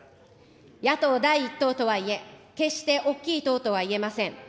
野党第１党とはいえ、決して大きい党とは言えません。